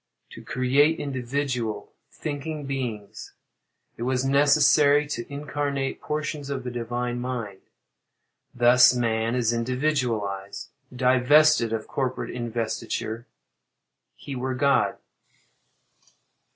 To create individual, thinking beings, it was necessary to incarnate portions of the divine mind. Thus man is individualized. Divested of corporate investiture, he were God.